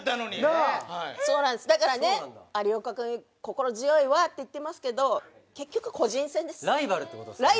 はいそうなんですだからね有岡くん心強いわって言ってますけど結局個人戦ですライバルってことですか？